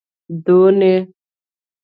دونۍ